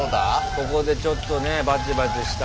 ここでちょっとねバチバチした。